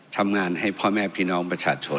ทำงานให้พ่อแม่พี่น้องประชาชน